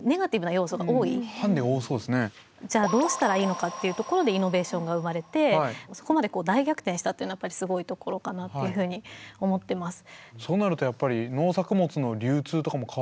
どうしたらいいのかっていうところでイノベーションが生まれてそこまで大逆転したというのはすごいところかなっていうふうに思ってます。